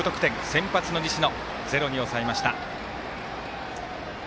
先発の西野、ゼロに抑えました。